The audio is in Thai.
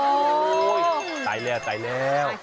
โอ้โหตายแล้ว